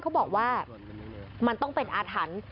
เขาบอกว่ามันต้องเป็นอาถรรพ์